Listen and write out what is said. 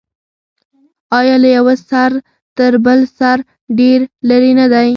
آیا له یوه سر تر بل سر ډیر لرې نه دی؟